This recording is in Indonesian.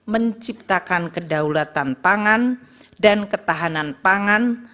menciptakan kedaulatan pangan dan ketahanan pangan